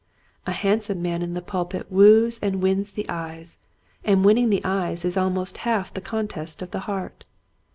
A handsome man in the pulpit woos and wins the eyes, and winning the eyes is almost half the conquest of the heart.